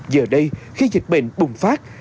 giờ đây khi dịch bệnh bùng phát